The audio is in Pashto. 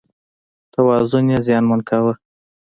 توازن یې زیانمن کاوه.